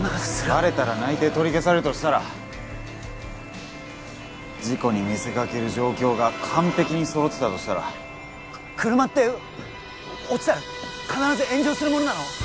バレたら内定取り消されるとしたら事故に見せかける状況が完璧に揃ってたとしたら車って落ちたら必ず炎上するものなの？